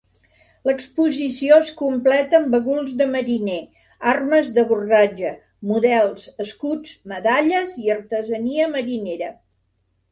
L'exposició es completa amb baguls de mariner, armes d'abordatge, models, escuts, medalles i artesania marinera.